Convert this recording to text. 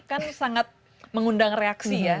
kan sangat mengundang reaksi ya